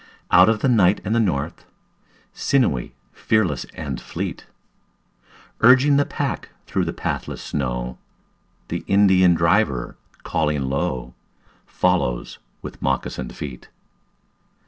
Out of the night and the north, Sinewy, fearless and fleet, Urging the pack through the pathless snow, The Indian driver, calling low, Follows with moccasined feet.